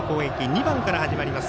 ２番から始まります